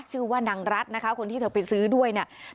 ชื่อว่านางรัฐนะคะคนที่เธอไปซื้อด้วยเนี่ย